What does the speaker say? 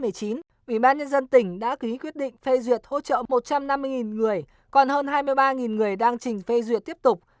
ủy ban nhân dân tỉnh đã ký quyết định phê duyệt hỗ trợ một trăm năm mươi người còn hơn hai mươi ba người đang trình phê duyệt tiếp tục